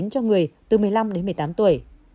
cho người từ một mươi năm đến một mươi tám tuổi